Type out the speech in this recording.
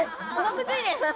得意です！